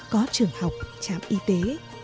có trường học trạm y tế